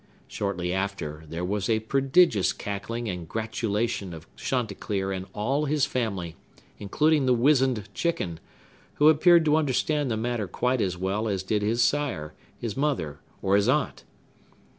Shortly after, there was a prodigious cackling and gratulation of Chanticleer and all his family, including the wizened chicken, who appeared to understand the matter quite as well as did his sire, his mother, or his aunt.